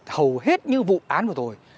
hầu hết những vụ án vừa rồi